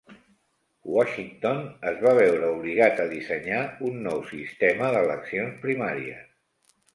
Washington es va veure obligat a dissenyar un nou sistema d'eleccions primàries.